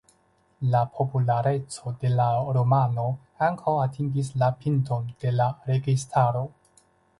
La populareco de la romano ankaŭ atingis la pinton de la registaro.